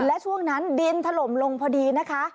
และช่วงนั้นดินถล่มลงพอดีนะคะ